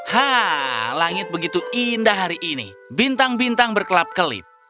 hah langit begitu indah hari ini bintang bintang berkelap kelip